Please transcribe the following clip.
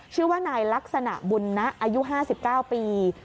ชื่อว่านายลักษณะบุญนะอายุ๕๙ปี